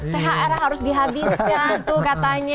thr harus dihabiskan tuh katanya